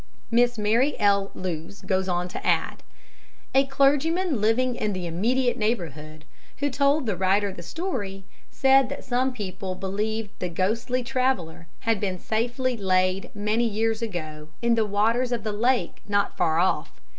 Miss Mary L. Lewes goes on to add: "A clergyman living in the immediate neighbourhood, who told the writer the story, said that some people believed the ghostly traveller had been safely 'laid' many years ago in the waters of the lake not far off.